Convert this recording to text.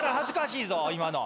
今の。